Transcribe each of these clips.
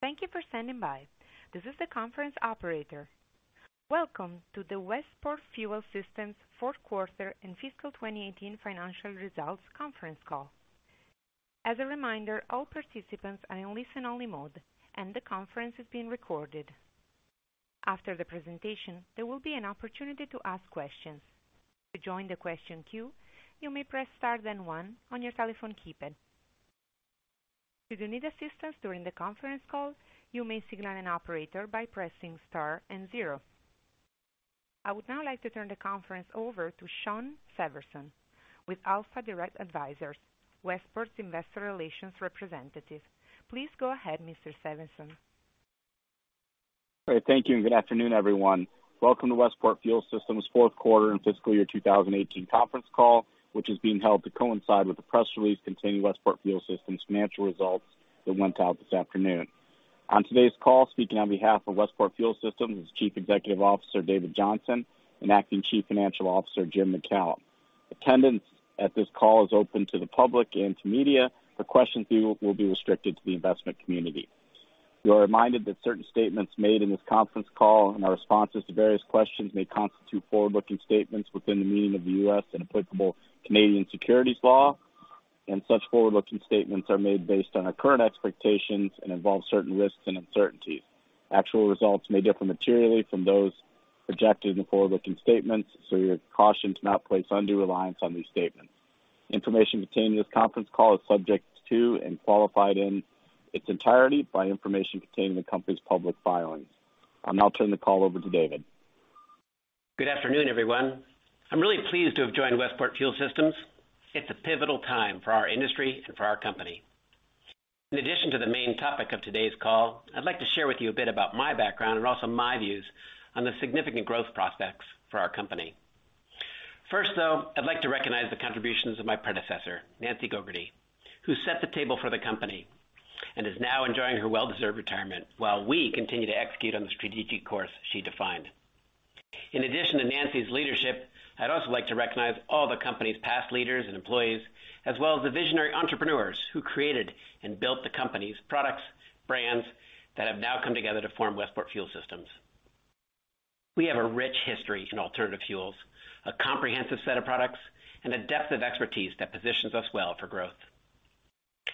Thank you for standing by. This is the conference operator. Welcome to the Westport Fuel Systems Fourth Quarter and Fiscal 2018 Financial Results Conference Call. As a reminder, all participants are in listen-only mode, and the conference is being recorded. After the presentation, there will be an opportunity to ask questions. To join the question queue, you may press star then one on your telephone keypad. Should you need assistance during the conference call, you may signal an operator by pressing star and zero. I would now like to turn the conference over to Shawn Severson with alphaDIRECT Advisors, Westport's Investor Relations representative. Please go ahead, Mr. Severson. Great. Thank you. Good afternoon, everyone. Welcome to Westport Fuel Systems Fourth Quarter and Fiscal Year 2018 Conference Call, which is being held to coincide with the press release containing Westport Fuel Systems financial results that went out this afternoon. On today's call, speaking on behalf of Westport Fuel Systems is Chief Executive Officer, David Johnson, and Acting Chief Financial Officer, Jim MacCallum. Attendance at this call is open to the public and to media. The question queue will be restricted to the investment community. You are reminded that certain statements made in this conference call and our responses to various questions may constitute forward-looking statements within the meaning of the U.S. and applicable Canadian securities law, such forward-looking statements are made based on our current expectations and involve certain risks and uncertainties. Actual results may differ materially from those projected in the forward-looking statements, you're cautioned to not place undue reliance on these statements. Information contained in this conference call is subject to and qualified in its entirety by information contained in the company's public filings. I'll now turn the call over to David. Good afternoon, everyone. I'm really pleased to have joined Westport Fuel Systems. It's a pivotal time for our industry and for our company. In addition to the main topic of today's call, I'd like to share with you a bit about my background and also my views on the significant growth prospects for our company. First, though, I'd like to recognize the contributions of my predecessor, Nancy Gougarty, who set the table for the company and is now enjoying her well-deserved retirement while we continue to execute on the strategic course she defined. In addition to Nancy's leadership, I'd also like to recognize all the company's past leaders and employees, as well as the visionary entrepreneurs who created and built the company's products, brands that have now come together to form Westport Fuel Systems. We have a rich history in alternative fuels, a comprehensive set of products, and a depth of expertise that positions us well for growth.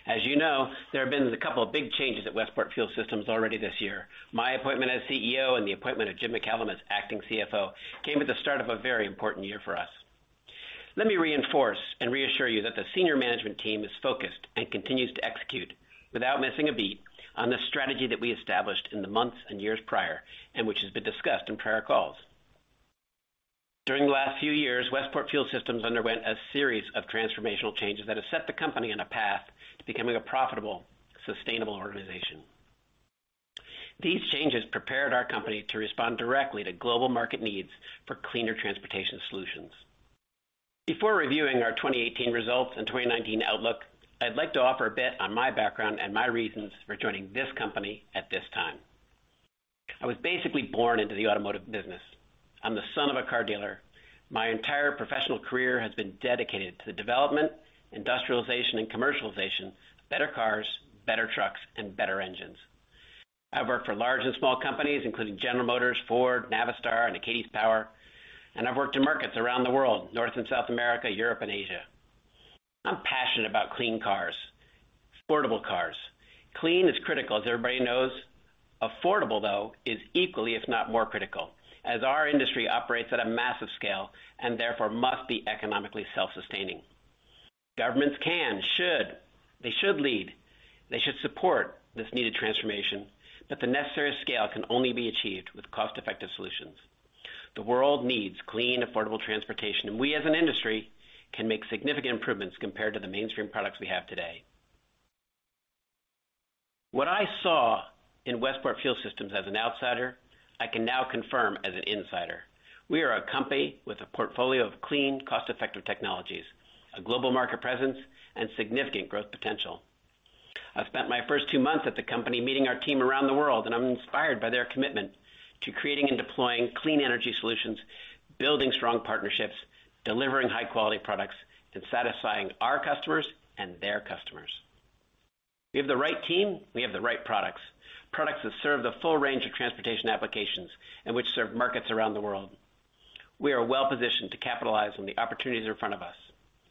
As you know, there have been a couple of big changes at Westport Fuel Systems already this year. My appointment as CEO and the appointment of Jim MacCallum as acting CFO came at the start of a very important year for us. Let me reinforce and reassure you that the senior management team is focused and continues to execute without missing a beat on the strategy that we established in the months and years prior, and which has been discussed in prior calls. During the last few years, Westport Fuel Systems underwent a series of transformational changes that have set the company on a path to becoming a profitable, sustainable organization. These changes prepared our company to respond directly to global market needs for cleaner transportation solutions. Before reviewing our 2018 results and 2019 outlook, I'd like to offer a bit on my background and my reasons for joining this company at this time. I was basically born into the automotive business. I'm the son of a car dealer. My entire professional career has been dedicated to the development, industrialization, and commercialization of better cars, better trucks, and better engines. I've worked for large and small companies, including General Motors, Ford, Navistar, and Achates Power, and I've worked in markets around the world, North and South America, Europe, and Asia. I'm passionate about clean cars, affordable cars. Clean is critical, as everybody knows. Affordable, though, is equally, if not more critical, as our industry operates at a massive scale and therefore must be economically self-sustaining. Governments can, should. They should lead. The necessary scale can only be achieved with cost-effective solutions. The world needs clean, affordable transportation, we, as an industry, can make significant improvements compared to the mainstream products we have today. What I saw in Westport Fuel Systems as an outsider, I can now confirm as an insider. We are a company with a portfolio of clean, cost-effective technologies, a global market presence, and significant growth potential. I've spent my first two months at the company meeting our team around the world, and I'm inspired by their commitment to creating and deploying clean energy solutions, building strong partnerships, delivering high-quality products, and satisfying our customers and their customers. We have the right team. We have the right products. Products that serve the full range of transportation applications and which serve markets around the world. We are well-positioned to capitalize on the opportunities in front of us.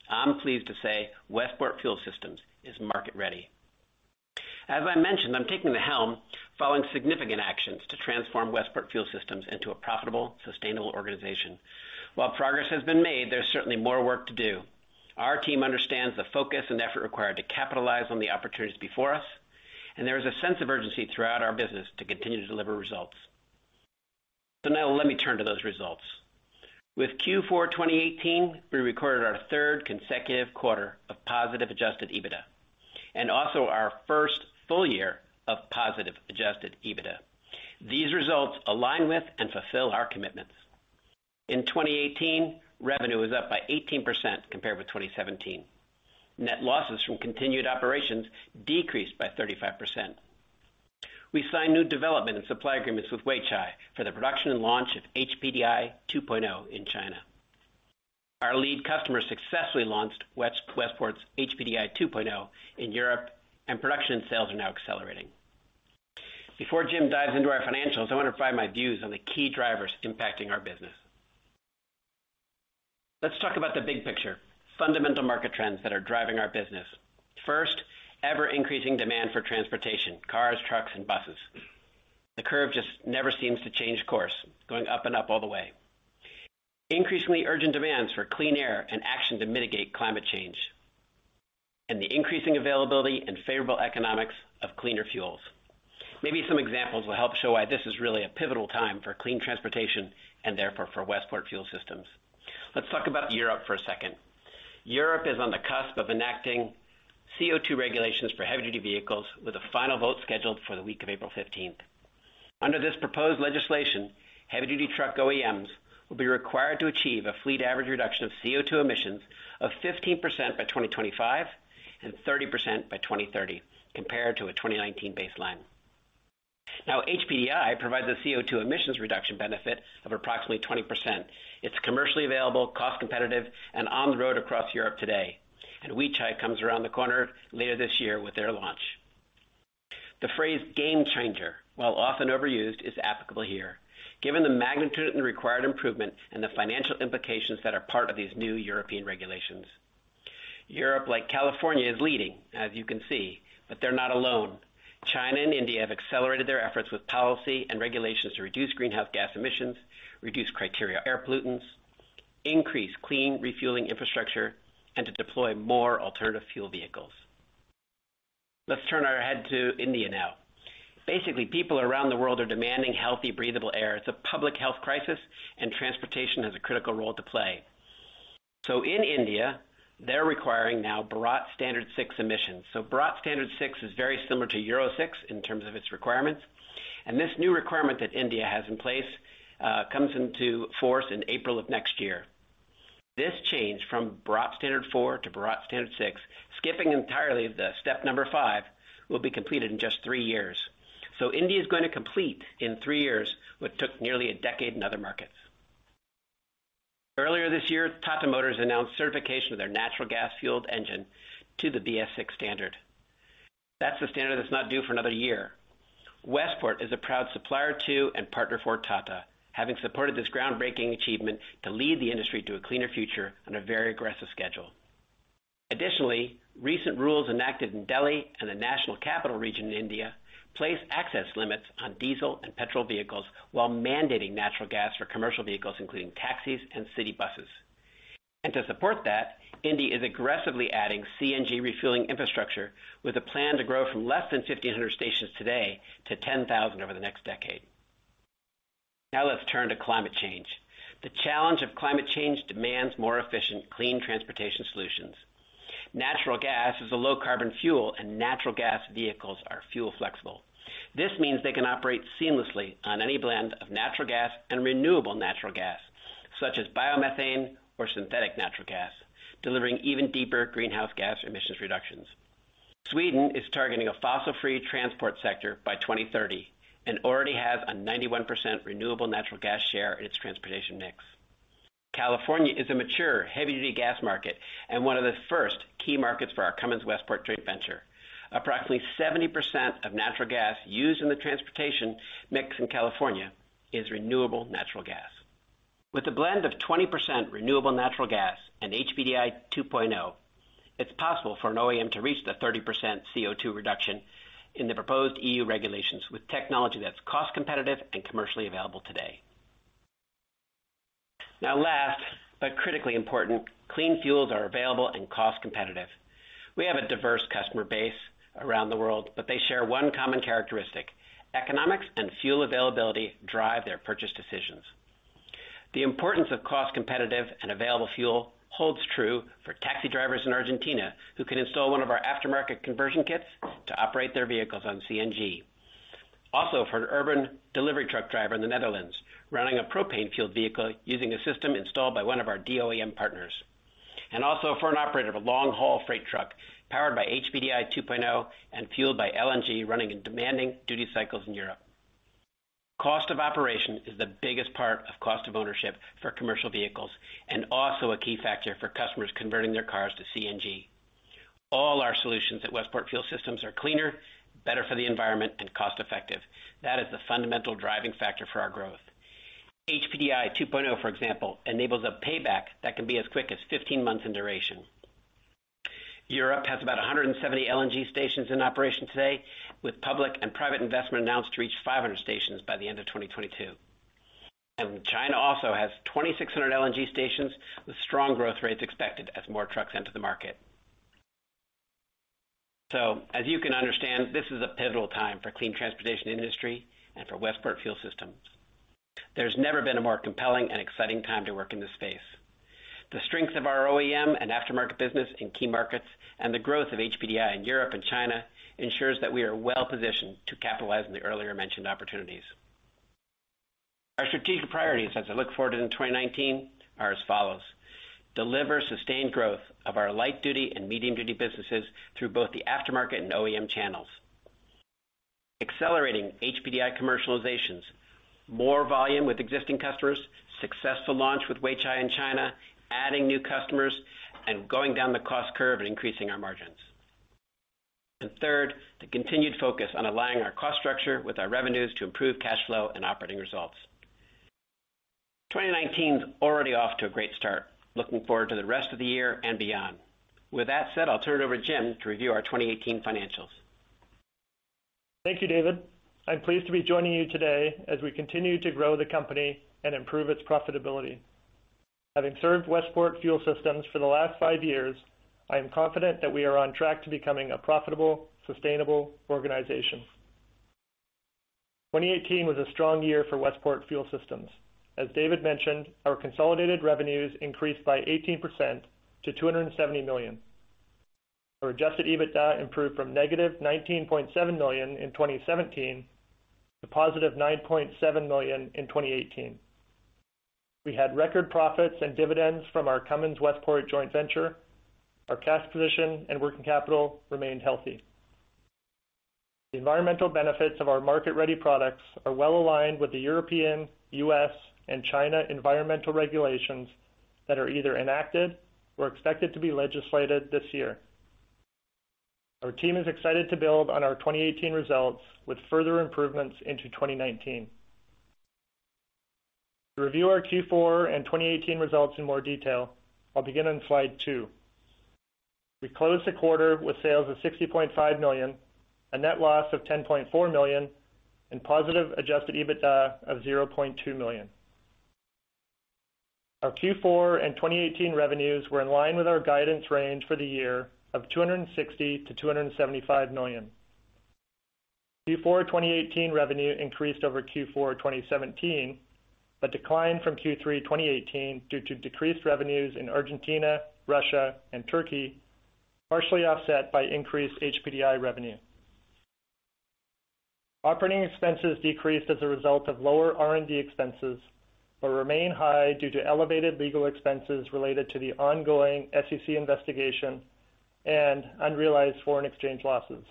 I'm pleased to say Westport Fuel Systems is market ready. As I mentioned, I'm taking the helm following significant actions to transform Westport Fuel Systems into a profitable, sustainable organization. While progress has been made, there's certainly more work to do. Our team understands the focus and effort required to capitalize on the opportunities before us, and there is a sense of urgency throughout our business to continue to deliver results. Now let me turn to those results. With Q4 2018, we recorded our third consecutive quarter of positive adjusted EBITDA and also our first full year of positive adjusted EBITDA. These results align with and fulfill our commitments. In 2018, revenue was up by 18% compared with 2017. Net losses from continued operations decreased by 35%. We signed new development and supply agreements with Weichai for the production and launch of HPDI 2.0 in China. Our lead customer successfully launched Westport's HPDI 2.0 in Europe, and production and sales are now accelerating. Before Jim dives into our financials, I want to provide my views on the key drivers impacting our business. Let's talk about the big picture, fundamental market trends that are driving our business. First, ever-increasing demand for transportation, cars, trucks, and buses. The curve just never seems to change course, going up and up all the way. Increasingly urgent demands for clean air and action to mitigate climate change, and the increasing availability and favorable economics of cleaner fuels. Maybe some examples will help show why this is really a pivotal time for clean transportation and therefore for Westport Fuel Systems. Let's talk about Europe for a second. Europe is on the cusp of enacting CO2 regulations for heavy-duty vehicles, with a final vote scheduled for the week of April 15th. Under this proposed legislation, heavy-duty truck OEMs will be required to achieve a fleet average reduction of CO2 emissions of 15% by 2025 and 30% by 2030, compared to a 2019 baseline. HPDI provides a CO2 emissions reduction benefit of approximately 20%. It's commercially available, cost-competitive, and on the road across Europe today. Weichai comes around the corner later this year with their launch. The phrase game-changer, while often overused, is applicable here given the magnitude and required improvement and the financial implications that are part of these new European regulations. Europe, like California, is leading, as you can see, but they're not alone. China and India have accelerated their efforts with policy and regulations to reduce greenhouse gas emissions, reduce criteria air pollutants, increase clean refueling infrastructure, and to deploy more alternative fuel vehicles. Let's turn our head to India now. Basically, people around the world are demanding healthy, breathable air. It's a public health crisis, and transportation has a critical role to play. In India, they're requiring now Bharat Stage VI emissions. Bharat Stage VI is very similar to Euro VI in terms of its requirements. This new requirement that India has in place comes into force in April of next year. This change from Bharat Stage IV to Bharat Stage VI, skipping entirely the step five, will be completed in just three years. India's going to complete in three years what took nearly a decade in other markets. Earlier this year, Tata Motors announced certification of their natural gas-fueled engine to the BS6 standard. That's the standard that's not due for another year. Westport is a proud supplier to and partner for Tata, having supported this groundbreaking achievement to lead the industry to a cleaner future on a very aggressive schedule. Additionally, recent rules enacted in Delhi and the national capital region in India place access limits on diesel and petrol vehicles while mandating natural gas for commercial vehicles, including taxis and city buses. To support that, India is aggressively adding CNG refueling infrastructure with a plan to grow from less than 1,500 stations today to 10,000 over the next decade. Let's turn to climate change. The challenge of climate change demands more efficient, clean transportation solutions. Natural gas is a low-carbon fuel, and natural gas vehicles are fuel flexible. This means they can operate seamlessly on any blend of natural gas and renewable natural gas, such as biomethane or synthetic natural gas, delivering even deeper greenhouse gas emissions reductions. Sweden is targeting a fossil-free transport sector by 2030 and already has a 91% renewable natural gas share in its transportation mix. California is a mature heavy-duty gas market and one of the first key markets for our Cummins Westport joint venture. Approximately 70% of natural gas used in the transportation mix in California is renewable natural gas. With a blend of 20% renewable natural gas and HPDI 2.0, it's possible for an OEM to reach the 30% CO2 reduction in the proposed EU regulations with technology that's cost-competitive and commercially available today. Last, but critically important, clean fuels are available and cost-competitive. We have a diverse customer base around the world, they share one common characteristic: economics and fuel availability drive their purchase decisions. The importance of cost-competitive and available fuel holds true for taxi drivers in Argentina who can install one of our aftermarket conversion kits to operate their vehicles on CNG. Also, for an urban delivery truck driver in the Netherlands, running a propane-fueled vehicle using a system installed by one of our D-OEM partners. Also for an operator of a long-haul freight truck powered by HPDI 2.0 and fueled by LNG running in demanding duty cycles in Europe. Cost of operation is the biggest part of cost of ownership for commercial vehicles and also a key factor for customers converting their cars to CNG. All our solutions at Westport Fuel Systems are cleaner, better for the environment, and cost-effective. That is the fundamental driving factor for our growth. HPDI 2.0, for example, enables a payback that can be as quick as 15 months in duration. Europe has about 170 LNG stations in operation today, with public and private investment announced to reach 500 stations by the end of 2022. China also has 2,600 LNG stations, with strong growth rates expected as more trucks enter the market. As you can understand, this is a pivotal time for clean transportation industry and for Westport Fuel Systems. There's never been a more compelling and exciting time to work in this space. The strength of our OEM and aftermarket business in key markets and the growth of HPDI in Europe and China ensures that we are well-positioned to capitalize on the earlier mentioned opportunities. Our strategic priorities as I look forward into 2019 are as follows: deliver sustained growth of our light-duty and medium-duty businesses through both the aftermarket and OEM channels. Accelerating HPDI commercializations, more volume with existing customers, successful launch with Weichai in China, adding new customers, and going down the cost curve and increasing our margins. Third, the continued focus on aligning our cost structure with our revenues to improve cash flow and operating results. 2019 is already off to a great start. Looking forward to the rest of the year and beyond. With that said, I'll turn it over to Jim to review our 2018 financials. Thank you, David. I am pleased to be joining you today as we continue to grow the company and improve its profitability. Having served Westport Fuel Systems for the last five years, I am confident that we are on track to becoming a profitable, sustainable organization. 2018 was a strong year for Westport Fuel Systems. As David mentioned, our consolidated revenues increased by 18% to $270 million. Our adjusted EBITDA improved from -$19.7 million in 2017 to +$9.7 million in 2018. We had record profits and dividends from our Cummins Westport joint venture. Our cash position and working capital remained healthy. The environmental benefits of our market-ready products are well aligned with the European, U.S., and China environmental regulations that are either enacted or expected to be legislated this year. Our team is excited to build on our 2018 results with further improvements into 2019. To review our Q4 and 2018 results in more detail, I will begin on slide two. We closed the quarter with sales of $60.5 million, a net loss of $10.4 million, and positive adjusted EBITDA of $0.2 million. Our Q4 and 2018 revenues were in line with our guidance range for the year of $260 million-$275 million. Q4 2018 revenue increased over Q4 2017, but declined from Q3 2018 due to decreased revenues in Argentina, Russia, and Turkey, partially offset by increased HPDI revenue. Operating expenses decreased as a result of lower R&D expenses, but remain high due to elevated legal expenses related to the ongoing SEC investigation and unrealized foreign exchange losses.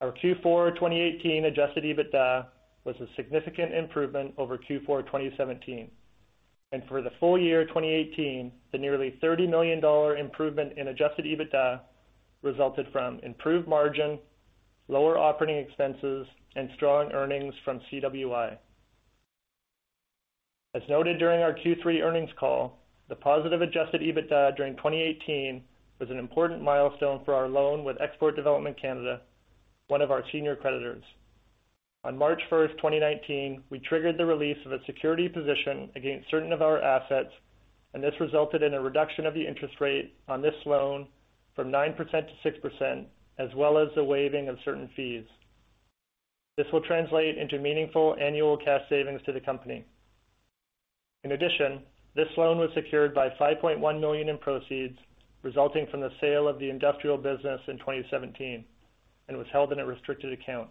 Our Q4 2018 adjusted EBITDA was a significant improvement over Q4 2017. For the full year 2018, the nearly $30 million improvement in adjusted EBITDA resulted from improved margin, lower operating expenses, and strong earnings from CWI. As noted during our Q3 earnings call, the positive adjusted EBITDA during 2018 was an important milestone for our loan with Export Development Canada, one of our senior creditors. On March 1st, 2019, we triggered the release of a security position against certain of our assets. This resulted in a reduction of the interest rate on this loan from 9% to 6%, as well as the waiving of certain fees. This will translate into meaningful annual cash savings to the company. In addition, this loan was secured by $5.1 million in proceeds resulting from the sale of the industrial business in 2017, and was held in a restricted account.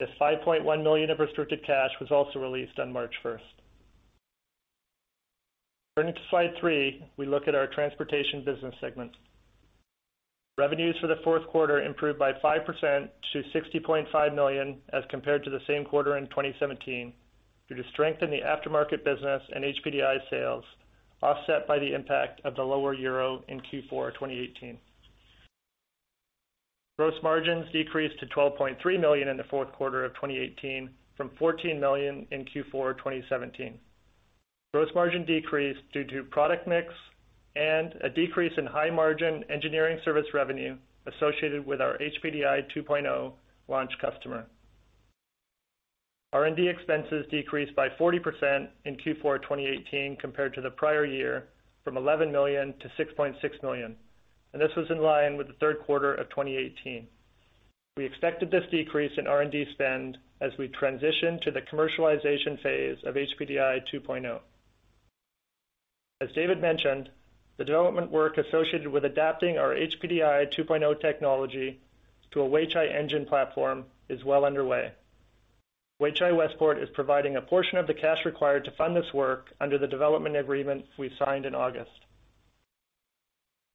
This $5.1 million of restricted cash was also released on March 1st. Turning to slide three, we look at our transportation business segment. Revenues for the fourth quarter improved by 5% to $60.5 million as compared to the same quarter in 2017 due to strength in the aftermarket business and HPDI sales offset by the impact of the lower euro in Q4 2018. Gross margins decreased to $12.3 million in the fourth quarter of 2018 from $14 million in Q4 2017. Gross margin decreased due to product mix and a decrease in high-margin engineering service revenue associated with our HPDI 2.0 launch customer. R&D expenses decreased by 40% in Q4 2018 compared to the prior year, from $11 million to $6.6 million. This was in line with the third quarter of 2018. We expected this decrease in R&D spend as we transition to the commercialization phase of HPDI 2.0. As David mentioned, the development work associated with adapting our HPDI 2.0 technology to a Weichai engine platform is well underway. Weichai Westport is providing a portion of the cash required to fund this work under the development agreement we signed in August.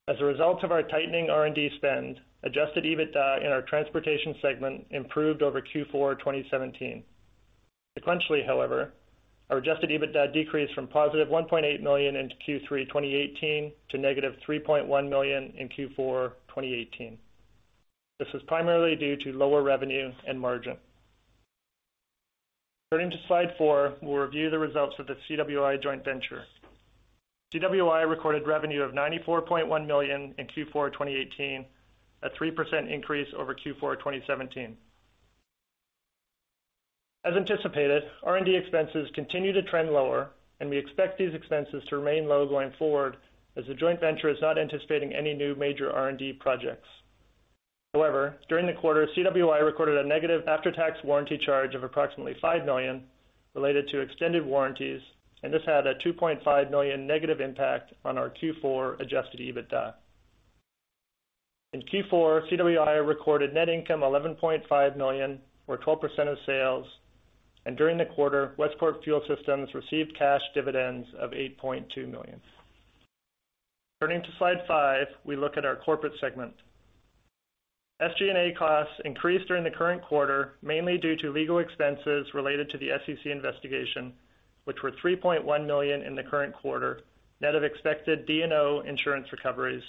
As a result of our tightening R&D spend, adjusted EBITDA in our transportation segment improved over Q4 2017. However, our adjusted EBITDA decreased from +$1.8 million in Q3 2018 to -$3.1 million in Q4 2018. This was primarily due to lower revenue and margin. Turning to slide four, we will review the results of the CWI joint venture. CWI recorded revenue of $94.1 million in Q4 2018, a 3% increase over Q4 2017. As anticipated, R&D expenses continue to trend lower, and we expect these expenses to remain low going forward as the joint venture is not anticipating any new major R&D projects. However, during the quarter, CWI recorded a negative after-tax warranty charge of approximately $5 million related to extended warranties, and this had a $2.5 million negative impact on our Q4 adjusted EBITDA. In Q4, CWI recorded net income $11.5 million or 12% of sales, and during the quarter, Westport Fuel Systems received cash dividends of $8.2 million. Turning to slide five, we look at our corporate segment. SG&A costs increased during the current quarter, mainly due to legal expenses related to the SEC investigation, which were $3.1 million in the current quarter, net of expected D&O insurance recoveries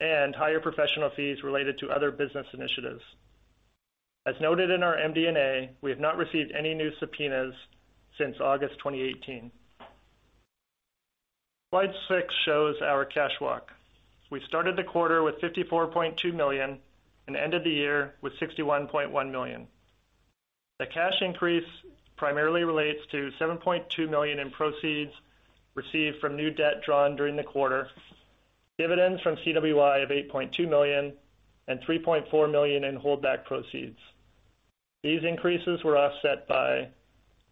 and higher professional fees related to other business initiatives. As noted in our MD&A, we have not received any new subpoenas since August 2018. Slide six shows our cash walk. We started the quarter with $54.2 million and ended the year with $61.1 million. The cash increase primarily relates to $7.2 million in proceeds received from new debt drawn during the quarter, dividends from CWI of $8.2 million and $3.4 million in holdback proceeds. These increases were offset by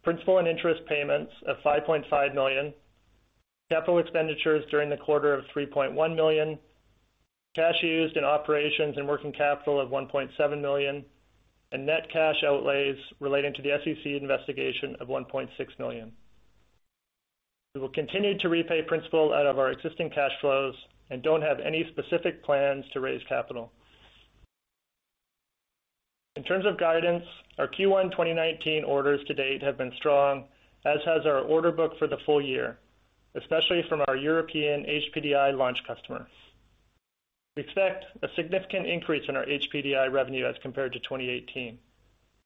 principal and interest payments of $5.5 million, capital expenditures during the quarter of $3.1 million, cash used in operations and working capital of $1.7 million, and net cash outlays relating to the SEC investigation of $1.6 million. We will continue to repay principal out of our existing cash flows and don't have any specific plans to raise capital. In terms of guidance, our Q1 2019 orders to date have been strong, as has our order book for the full year, especially from our European HPDI launch customer. We expect a significant increase in our HPDI revenue as compared to 2018.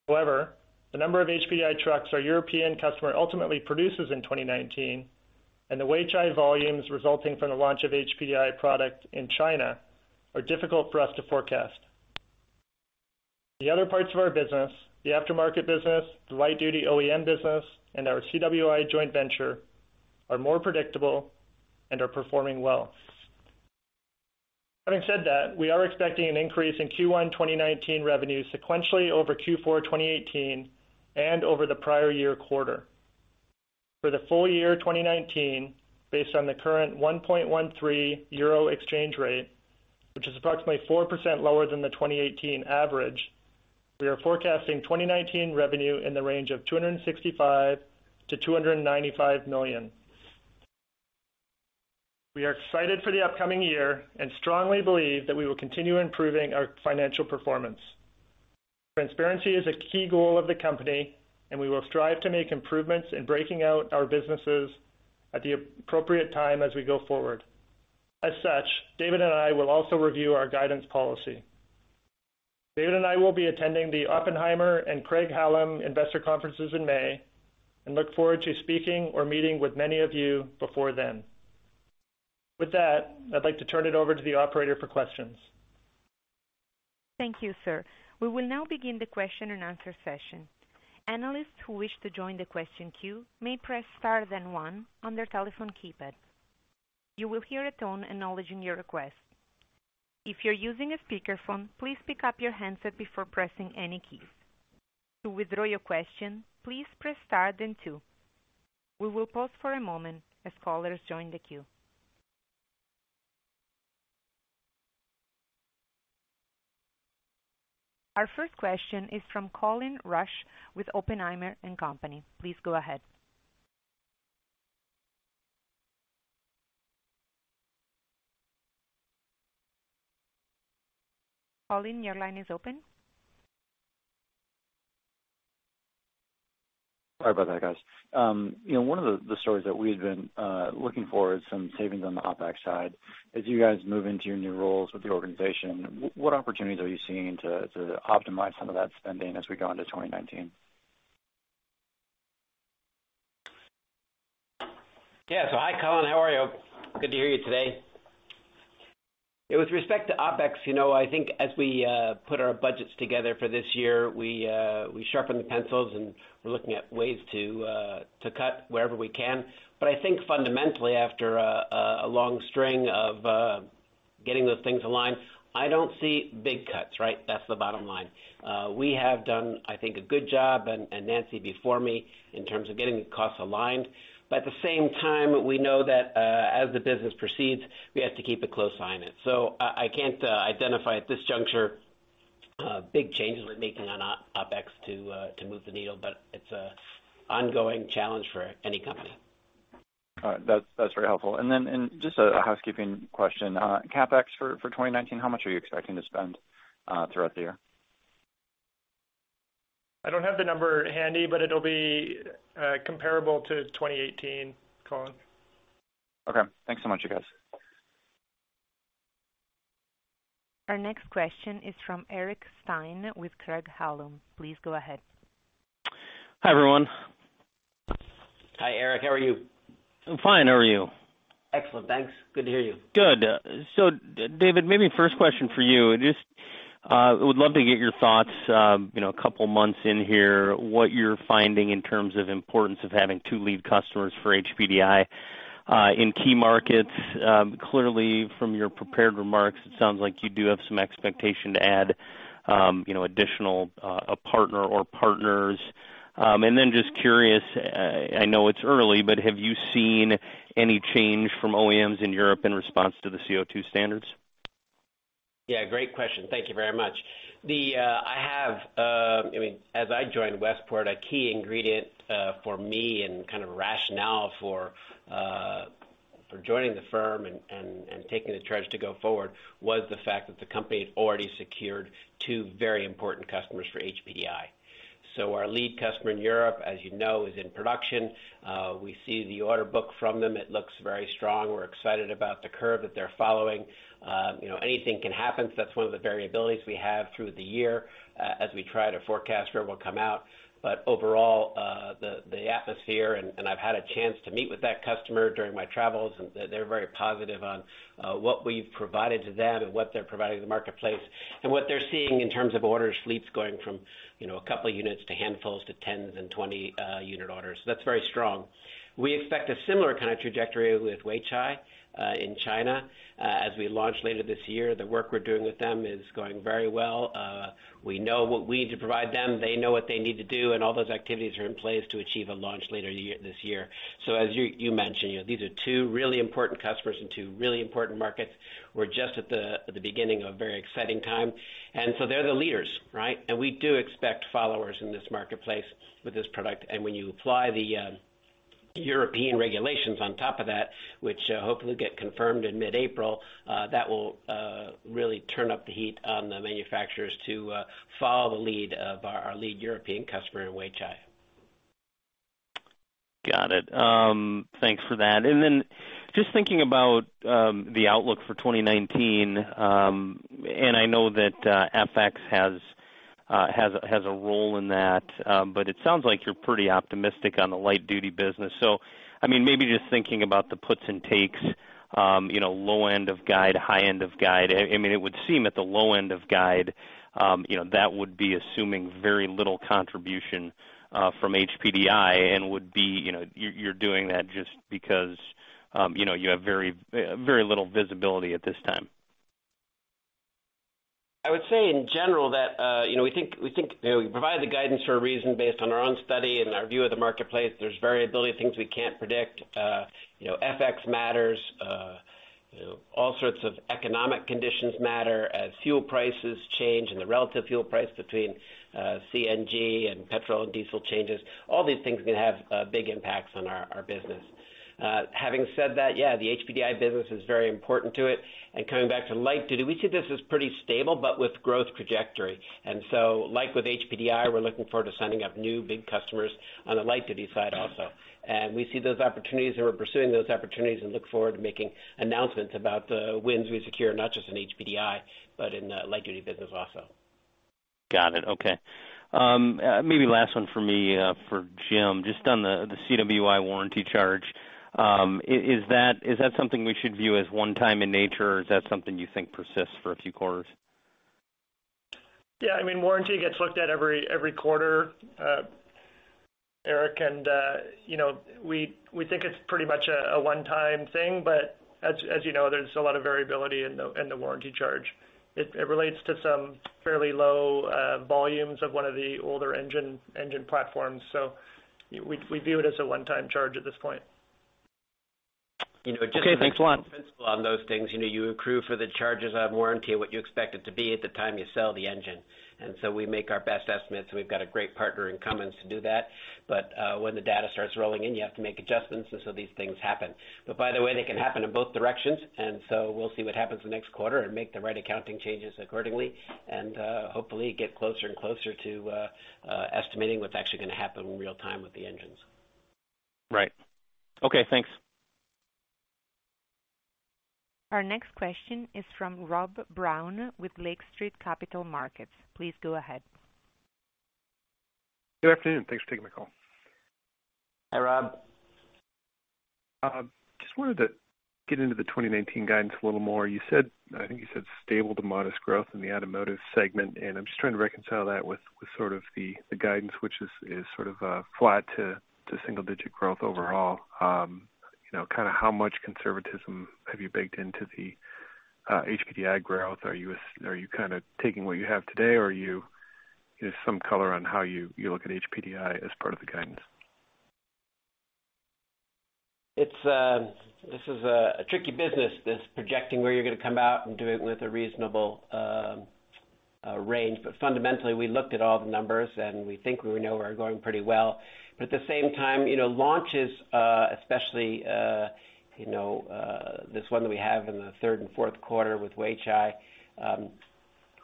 However, the number of HPDI trucks our European customer ultimately produces in 2019 and the HPDI volumes resulting from the launch of HPDI product in China are difficult for us to forecast. The other parts of our business, the aftermarket business, the light-duty OEM business, and our CWI joint venture are more predictable and are performing well. Having said that, we are expecting an increase in Q1 2019 revenues sequentially over Q4 2018 and over the prior year quarter. For the full year 2019, based on the current 1.13 euro exchange rate, which is approximately 4% lower than the 2018 average, we are forecasting 2019 revenue in the range of $265 million-$295 million. We are excited for the upcoming year and strongly believe that we will continue improving our financial performance. Transparency is a key goal of the company, we will strive to make improvements in breaking out our businesses at the appropriate time as we go forward. As such, David and I will also review our guidance policy. David and I will be attending the Oppenheimer and Craig-Hallum investor conferences in May and look forward to speaking or meeting with many of you before then. With that, I'd like to turn it over to the operator for questions. Thank you, sir. We will now begin the question and answer session. Analysts who wish to join the question queue may press star then one on their telephone keypad. You will hear a tone acknowledging your request. If you're using a speakerphone, please pick up your handset before pressing any keys. To withdraw your question, please press star then two. We will pause for a moment as callers join the queue. Our first question is from Colin Rusch with Oppenheimer & Co. Please go ahead. Colin, your line is open. Sorry about that, guys. One of the stories that we had been looking for is some savings on the OpEx side. As you guys move into your new roles with the organization, what opportunities are you seeing to optimize some of that spending as we go into 2019? Yeah. Hi, Colin. How are you? Good to hear you today. With respect to OpEx, I think as we put our budgets together for this year, we sharpen the pencils and we're looking at ways to cut wherever we can. I think fundamentally, after a long string of getting those things aligned, I don't see big cuts, right? That's the bottom line. We have done, I think, a good job, and Nancy before me, in terms of getting the costs aligned. At the same time, we know that as the business proceeds, we have to keep a close eye on it. I can't identify at this juncture big changes we're making on OpEx to move the needle, but it's an ongoing challenge for any company. All right. That's very helpful. Just a housekeeping question. CapEx for 2019, how much are you expecting to spend throughout the year? I don't have the number handy, but it'll be comparable to 2018, Colin. Okay. Thanks so much, you guys. Our next question is from Eric Stine with Craig-Hallum. Please go ahead. Hi, everyone. Hi, Eric. How are you? I'm fine. How are you? Excellent, thanks. Good to hear you. David, maybe first question for you. Just would love to get your thoughts, a couple of months in here, what you're finding in terms of importance of having two lead customers for HPDI in key markets. Clearly from your prepared remarks, it sounds like you do have some expectation to add additional, a partner or partners. Just curious, I know it's early, but have you seen any change from OEMs in Europe in response to the CO2 standards? Great question. Thank you very much. As I joined Westport, a key ingredient for me and rationale for joining the firm and taking the charge to go forward was the fact that the company had already secured two very important customers for HPDI. Our lead customer in Europe, as you know, is in production. We see the order book from them. It looks very strong. We're excited about the curve that they're following. Anything can happen. That's one of the variabilities we have through the year as we try to forecast where it will come out. Overall, the atmosphere, and I've had a chance to meet with that customer during my travels, and they're very positive on what we've provided to them and what they're providing to the marketplace. What they're seeing in terms of orders, fleets going from a couple units to handfuls to 10s and 20 unit orders. That's very strong. We expect a similar kind of trajectory with Weichai in China as we launch later this year. The work we're doing with them is going very well. We know what we need to provide them. They know what they need to do, and all those activities are in place to achieve a launch later this year. As you mentioned, these are two really important customers and two really important markets. We're just at the beginning of a very exciting time. They're the leaders, right? We do expect followers in this marketplace with this product. When you apply the European regulations on top of that, which hopefully get confirmed in mid-April, that will really turn up the heat on the manufacturers to follow the lead of our lead European customer in Weichai. Got it. Thanks for that. I know that FX has a role in that, but it sounds like you're pretty optimistic on the light duty business. Maybe just thinking about the puts and takes, low end of guide, high end of guide. It would seem at the low end of guide, that would be assuming very little contribution from HPDI and you're doing that just because you have very little visibility at this time. I would say in general that we provide the guidance for a reason based on our own study and our view of the marketplace. There's variability, things we can't predict. FX matters. All sorts of economic conditions matter as fuel prices change and the relative fuel price between CNG and petrol and diesel changes. All these things can have big impacts on our business. Having said that, yeah, the HPDI business is very important to it. Coming back to light duty, we see this as pretty stable, but with growth trajectory. Like with HPDI, we're looking forward to signing up new big customers on the light duty side also. We see those opportunities or we're pursuing those opportunities and look forward to making announcements about the wins we secure, not just in HPDI, but in the light duty business also. Got it. Okay. Maybe last one from me for Jim, just on the CWI warranty charge. Is that something we should view as one-time in nature or is that something you think persists for a few quarters? Yeah, warranty gets looked at every quarter, Eric, we think it's pretty much a one-time thing, as you know, there's a lot of variability in the warranty charge. It relates to some fairly low volumes of one of the older engine platforms. We view it as a one-time charge at this point. Okay, thanks a lot. On those things, you accrue for the charges on warranty what you expect it to be at the time you sell the engine. We make our best estimates, and we've got a great partner in Cummins to do that. When the data starts rolling in, you have to make adjustments. These things happen. By the way, they can happen in both directions. We'll see what happens the next quarter and make the right accounting changes accordingly, and hopefully get closer and closer to estimating what's actually going to happen in real time with the engines. Right. Okay, thanks. Our next question is from Rob Brown with Lake Street Capital Markets. Please go ahead. Good afternoon. Thanks for taking my call. Hi, Rob. Just wanted to get into the 2019 guidance a little more. I think you said stable to modest growth in the automotive segment, I'm just trying to reconcile that with sort of the guidance, which is sort of a flat to single digit growth overall. How much conservatism have you baked into the HPDI growth? Are you kind of taking what you have today or give some color on how you look at HPDI as part of the guidance. This is a tricky business, this projecting where you're going to come out and do it with a reasonable range. Fundamentally, we looked at all the numbers, and we think we know where we're going pretty well. At the same time, launches, especially this one that we have in the third and fourth quarter with Weichai,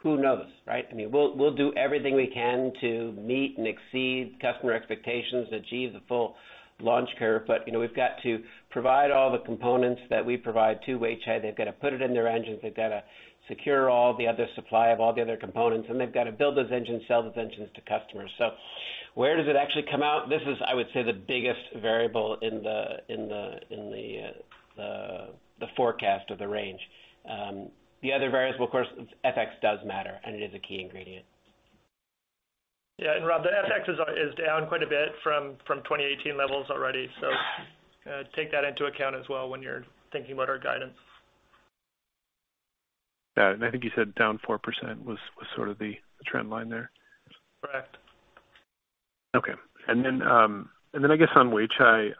who knows, right? We'll do everything we can to meet and exceed customer expectations to achieve the full launch curve, but we've got to provide all the components that we provide to Weichai. They've got to put it in their engines. They've got to secure all the other supply of all the other components, and they've got to build those engines, sell those engines to customers. Where does it actually come out? This is, I would say, the biggest variable in the forecast of the range. The other variable, of course, FX does matter, and it is a key ingredient. Yeah. Rob, the FX is down quite a bit from 2018 levels already. Take that into account as well when you're thinking about our guidance. Got it. I think you said down 4% was sort of the trend line there. Correct. Okay. I guess on Weichai,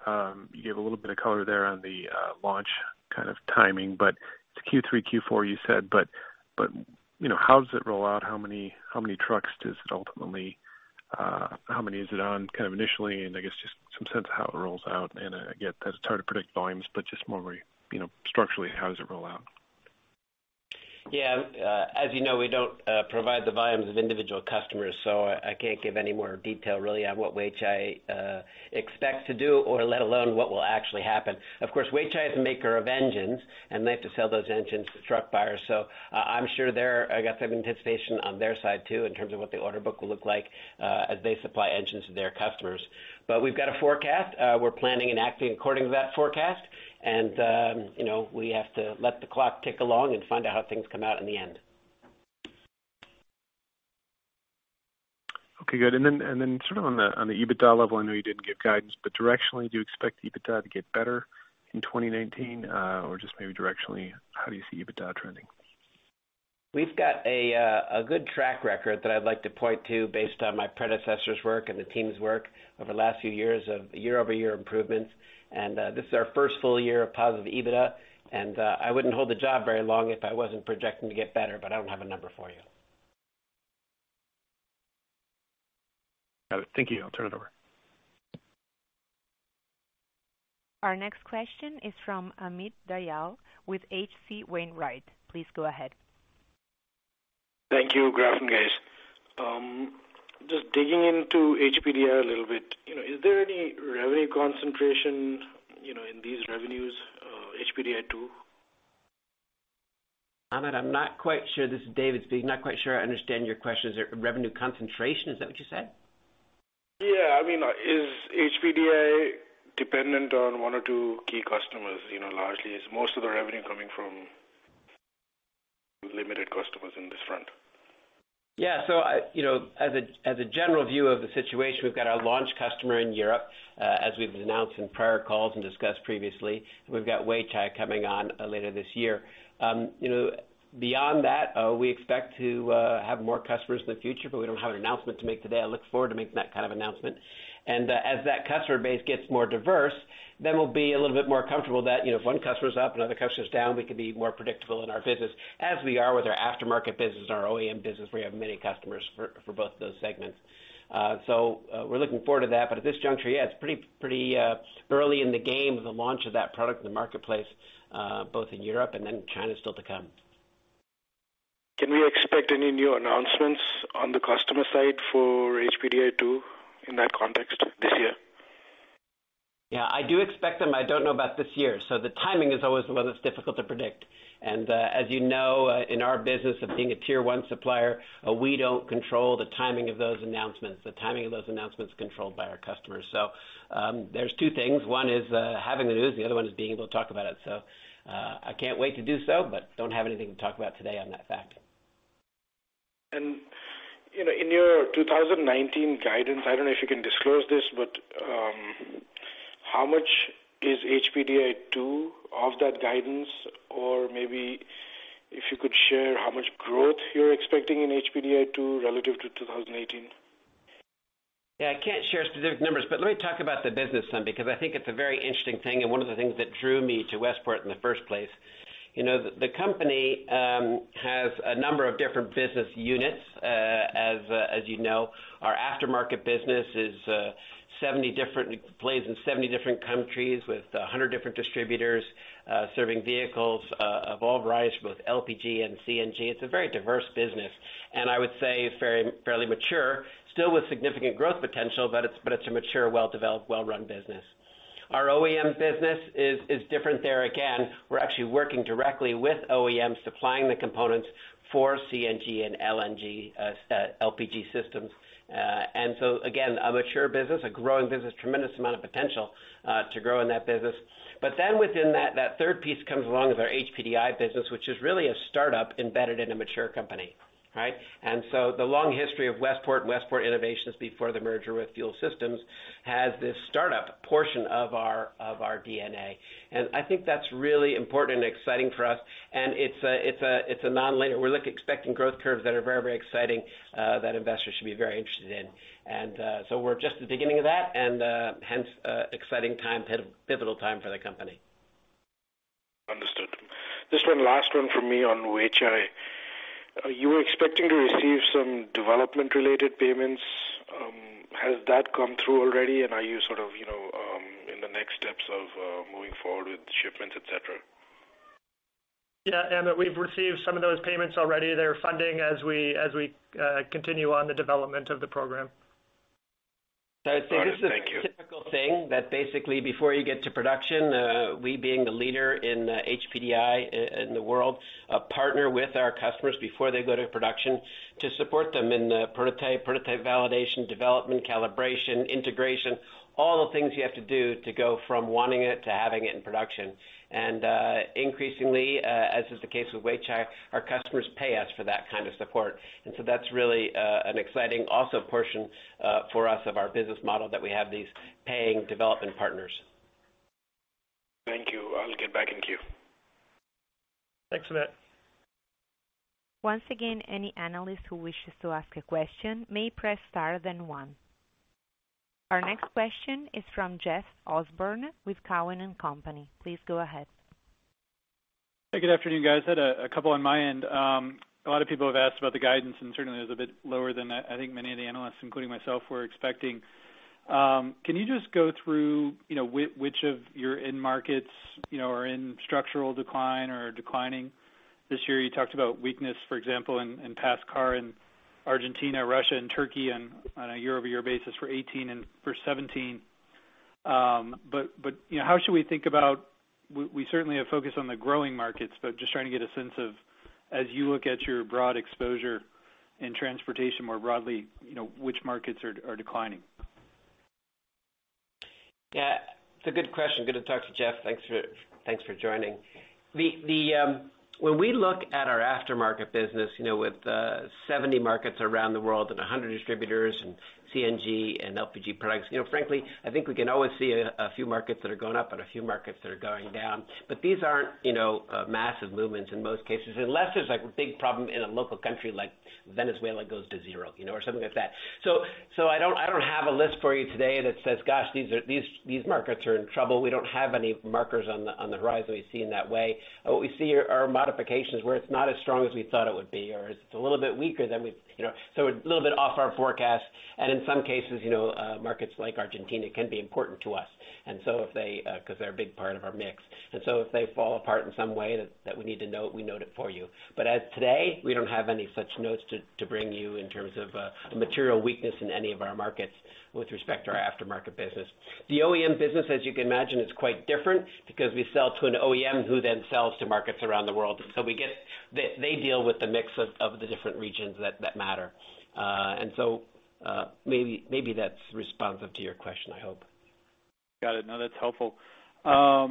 you gave a little bit of color there on the launch kind of timing, but it's Q3, Q4, you said. How does it roll out? How many is it on kind of initially, and I guess just some sense of how it rolls out. Again, that's hard to predict volumes, but just more structurally, how does it roll out? As you know, we don't provide the volumes of individual customers, so I can't give any more detail really on what Weichai expects to do or let alone what will actually happen. Weichai is a maker of engines, they have to sell those engines to truck buyers. I'm sure they've got some anticipation on their side, too, in terms of what the order book will look like as they supply engines to their customers. We've got a forecast. We're planning and acting according to that forecast, we have to let the clock tick along and find out how things come out in the end. Okay, good. Then sort of on the EBITDA level, I know you didn't give guidance, but directionally, do you expect EBITDA to get better in 2019? Just maybe directionally, how do you see EBITDA trending? We've got a good track record that I'd like to point to based on my predecessor's work and the team's work over the last few years of year-over-year improvements. This is our first full year of positive EBITDA, I wouldn't hold the job very long if I wasn't projecting to get better, I don't have a number for you. Got it. Thank you. I'll turn it over. Our next question is from Amit Dayal with H.C. Wainwright. Please go ahead. Thank you. Good afternoon, guys. Just digging into HPDI a little bit, is there any revenue concentration in these revenues, HPDI 2.0? Amit, I'm not quite sure. This is David speaking. Not quite sure I understand your question. Is there revenue concentration? Is that what you said? Yeah. Is HPDI dependent on one or two key customers largely? Is most of the revenue coming from limited customers in this front? As a general view of the situation, we've got our launch customer in Europe, as we've announced in prior calls and discussed previously. We've got Weichai coming on later this year. Beyond that, we expect to have more customers in the future, but we don't have an announcement to make today. I look forward to making that kind of announcement. As that customer base gets more diverse, we'll be a little bit more comfortable that if one customer's up and another customer's down, we can be more predictable in our business, as we are with our aftermarket business and our OEM business. We have many customers for both those segments. We're looking forward to that. At this juncture, yeah, it's pretty early in the game of the launch of that product in the marketplace, both in Europe and then China's still to come. Can we expect any new announcements on the customer side for HPDI 2, in that context this year? I do expect them. I don't know about this year. The timing is always the one that's difficult to predict. As you know, in our business of being a Tier 1 supplier, we don't control the timing of those announcements. The timing of those announcements is controlled by our customers. There's two things. One is having the news, the other one is being able to talk about it. I can't wait to do so, but don't have anything to talk about today on that fact. In your 2019 guidance, I don't know if you can disclose this, how much is HPDI 2 of that guidance or maybe if you could share how much growth you're expecting in HPDI 2 relative to 2018? Yeah, I can't share specific numbers, but let me talk about the business then, because I think it's a very interesting thing and one of the things that drew me to Westport in the first place. The company has a number of different business units. As you know, our aftermarket business plays in 70 different countries with 100 different distributors, serving vehicles of all varieties, both LPG and CNG. It's a very diverse business, and I would say fairly mature, still with significant growth potential, but it's a mature, well-developed, well-run business. Our OEM business is different there. We're actually working directly with OEMs supplying the components for CNG and LNG, LPG systems, a mature business, a growing business, tremendous amount of potential to grow in that business. Within that third piece comes along as our HPDI business, which is really a startup embedded in a mature company. Right? The long history of Westport and Westport Innovations before the merger with Fuel Systems has this startup portion of our DNA. I think that's really important and exciting for us. We're expecting growth curves that are very exciting that investors should be very interested in. We're just at the beginning of that and hence exciting time, pivotal time for the company. Understood. Just one last one from me on Weichai. You were expecting to receive some development related payments. Has that come through already? Are you sort of in the next steps of moving forward with shipments, et cetera? Yeah, Amit, we've received some of those payments already. They're funding as we continue on the development of the program. Got it. Thank you. I'd say this is a typical thing that basically before you get to production, we being the leader in HPDI in the world, partner with our customers before they go to production to support them in the prototype validation, development, calibration, integration, all the things you have to do to go from wanting it to having it in production. Increasingly, as is the case with Weichai, our customers pay us for that kind of support. That's really an exciting also portion for us of our business model that we have these paying development partners. Thank you. I'll get back in queue. Thanks, Amit. Once again, any analyst who wishes to ask a question may press star, then one. Our next question is from Jeff Osborne with Cowen and Company. Please go ahead. Hey, good afternoon, guys. Had a couple on my end. A lot of people have asked about the guidance, certainly it was a bit lower than I think many of the analysts, including myself, were expecting. Can you just go through, which of your end markets are in structural decline or are declining this year? You talked about weakness, for example, in PACCAR in Argentina, Russia, and Turkey on a year-over-year basis for 2018 and for 2017. How should we think about, we certainly have focused on the growing markets, but just trying to get a sense of, as you look at your broad exposure in transportation more broadly, which markets are declining? Yeah. It's a good question. Good to talk to Jeff. Thanks for joining. When we look at our aftermarket business, with 70 markets around the world and 100 distributors and CNG and LPG products, frankly, I think we can always see a few markets that are going up and a few markets that are going down. These aren't massive movements in most cases, unless there's a big problem in a local country, like Venezuela goes to zero, or something like that. I don't have a list for you today that says, "Gosh, these markets are in trouble." We don't have any markers on the horizon we see in that way. What we see are modifications where it's not as strong as we thought it would be, or it's a little bit weaker, so a little bit off our forecast. In some cases, markets like Argentina can be important to us, because they're a big part of our mix. If they fall apart in some way that we need to note, we note it for you. As of today, we don't have any such notes to bring you in terms of a material weakness in any of our markets with respect to our aftermarket business. The OEM business, as you can imagine, is quite different because we sell to an OEM who then sells to markets around the world. They deal with the mix of the different regions that matter. Maybe that's responsive to your question, I hope. Got it. No, that's helpful. How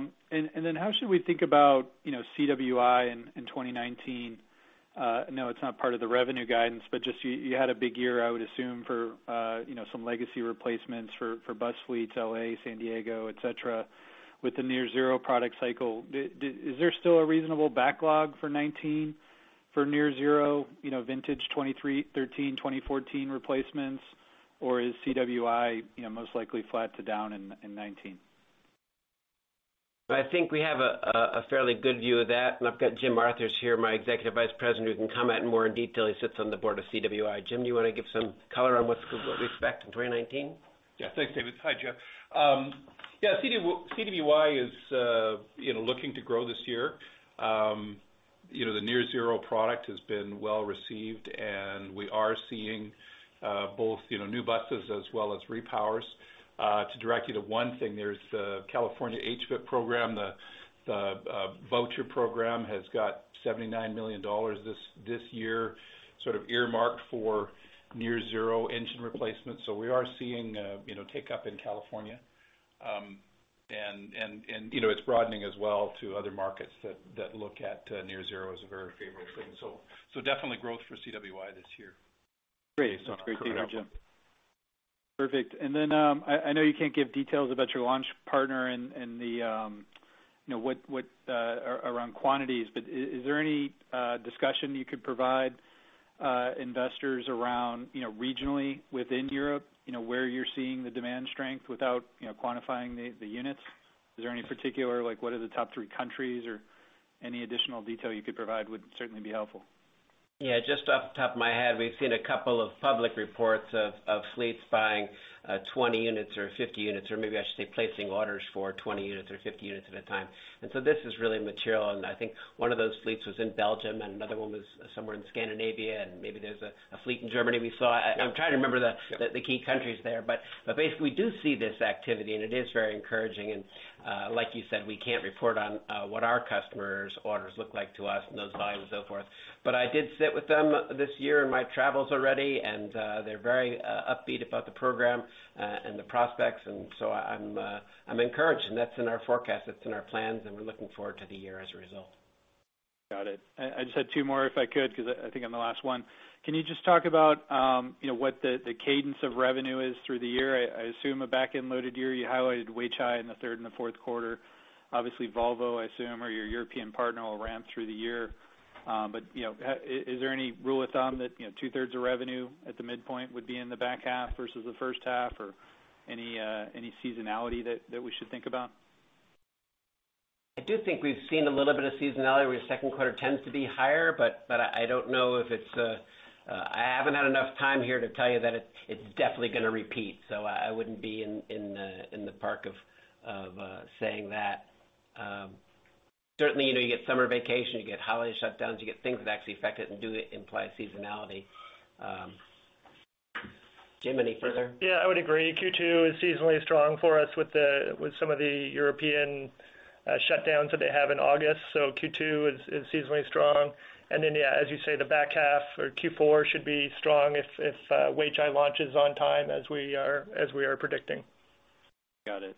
should we think about CWI in 2019? I know it's not part of the revenue guidance, but just, you had a big year, I would assume, for some legacy replacements for bus fleets, L.A., San Diego, et cetera, with the near-zero product cycle. Is there still a reasonable backlog for 2019 for near-zero vintage 2013, 2014 replacements, or is CWI most likely flat to down in 2019? I think we have a fairly good view of that. I've got Jim Arthurs here, my Executive Vice President, who can comment more in detail. He sits on the board of CWI. Jim, do you want to give some color on what to expect in 2019? Thanks, David. Hi, Jeff. CWI is looking to grow this year. The near-zero product has been well-received. We are seeing both new buses as well as repowers. To direct you to one thing, there's the California HVIP program. The voucher program has got $79 million this year sort of earmarked for near-zero engine replacements. We are seeing a take-up in California. It's broadening as well to other markets that look at near-zero as a very favorable thing. Definitely growth for CWI this year. Great. That's great to hear, Jim. Perfect. I know you can't give details about your launch partner around quantities, but is there any discussion you could provide investors around regionally within Europe, where you're seeing the demand strength without quantifying the units? Is there any particular, like what are the top three countries or any additional detail you could provide would certainly be helpful. Just off the top of my head, we've seen a couple of public reports of fleets buying 20 units or 50 units, or maybe I should say placing orders for 20 units or 50 units at a time. This is really material, and I think one of those fleets was in Belgium and another one was somewhere in Scandinavia, and maybe there's a fleet in Germany we saw. I'm trying to remember the key countries there. Basically, we do see this activity, and it is very encouraging. Like you said, we can't report on what our customers' orders look like to us and those volumes, so forth. I did sit with them this year in my travels already, and they're very upbeat about the program and the prospects, and I'm encouraged. That's in our forecast, that's in our plans, and we're looking forward to the year as a result. Got it. I just had two more, if I could, because I think I'm the last one. Can you just talk about what the cadence of revenue is through the year? I assume a back-end loaded year. You highlighted Weichai in the third and the fourth quarter. Obviously, Volvo, I assume, or your European partner will ramp through the year. Is there any rule of thumb that two-thirds of revenue at the midpoint would be in the back half versus the first half or any seasonality that we should think about? I do think we've seen a little bit of seasonality where second quarter tends to be higher, I haven't had enough time here to tell you that it's definitely going to repeat. I wouldn't be in the park of saying that. Certainly, you get summer vacation, you get holiday shutdowns, you get things that actually affect it and do imply seasonality. Jim, any further? I would agree. Q2 is seasonally strong for us with some of the European shutdowns that they have in August. Q2 is seasonally strong. Yeah, as you say, the back half or Q4 should be strong if Weichai launches on time as we are predicting. Got it.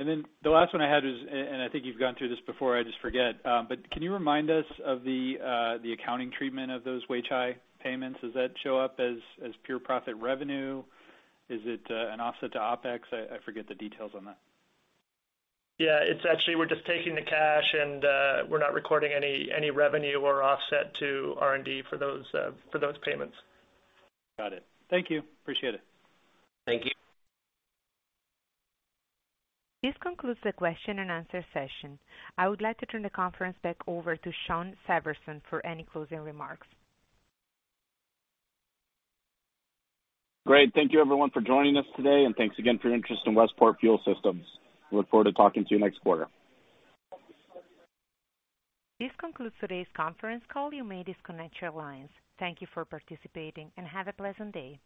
The last one I had was, and I think you've gone through this before, I just forget. Can you remind us of the accounting treatment of those Weichai payments? Does that show up as pure profit revenue? Is it an offset to OpEx? I forget the details on that. Yeah. It's actually, we're just taking the cash, and we're not recording any revenue or offset to R&D for those payments. Got it. Thank you. Appreciate it. Thank you. This concludes the question and answer session. I would like to turn the conference back over to Shawn Severson for any closing remarks. Great. Thank you, everyone, for joining us today, and thanks again for your interest in Westport Fuel Systems. We look forward to talking to you next quarter. This concludes today's conference call. You may disconnect your lines. Thank you for participating, and have a pleasant day.